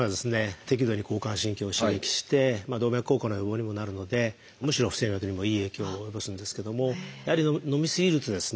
適度に交感神経を刺激して動脈硬化の予防にもなるのでむしろ不整脈にもいい影響を及ぼすんですけどもやはり飲み過ぎるとですね